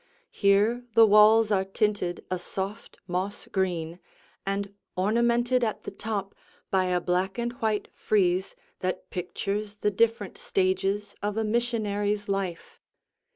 Here the walls are tinted a soft moss green, and ornamented at the top by a black and white frieze that pictures the different stages of a missionary's life.